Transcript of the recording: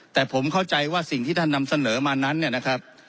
แต่ผมเข้าใจว่าสิ่งที่ท่านนำเสนอมานั้นเนี่ยนะครับ